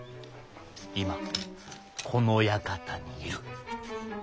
今この館にいる。